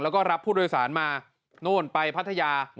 แล้วก็รับผู้โดยสารมาโน่นไปพัทยา